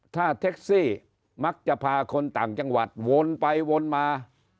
ถ้าแท็กซี่มักจะพาคนต่างจังหวัดวนไปวนมา